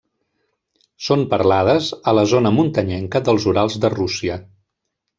Són parlades a la zona muntanyenca dels Urals de Rússia.